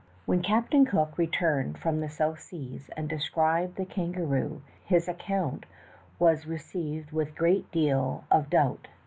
HEN Captain Cook returned from the South Seas and described the ' kangaroo, his account was received with a great deal of doubt.